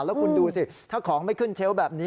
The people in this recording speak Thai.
แล้วคุณดูสิถ้าของไม่ขึ้นเชลล์แบบนี้